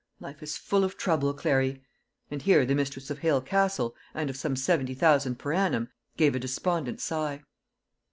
Life is full of trouble, Clary!" and here the mistress of Hale Castle, and of some seventy thousand per annum, gave a despondent sigh.